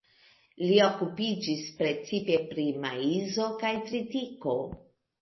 Li okupiĝis precipe pri maizo kaj tritiko.